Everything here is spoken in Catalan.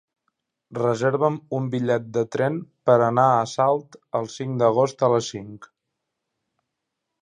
Reserva'm un bitllet de tren per anar a Salt el cinc d'agost a les cinc.